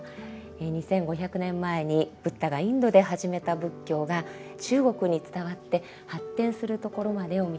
２，５００年前にブッダがインドで始めた仏教が中国に伝わって発展するところまでを見てまいりました。